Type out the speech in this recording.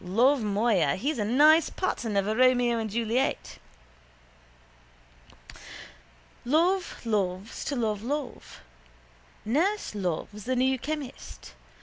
Love, moya! He's a nice pattern of a Romeo and Juliet. Love loves to love love. Nurse loves the new chemist.